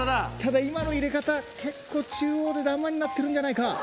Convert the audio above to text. ただ今の入れ方結構中央でだまになってるんじゃないか？